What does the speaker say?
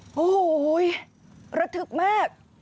โอ้โหระทึกมาก